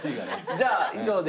じゃあ以上で。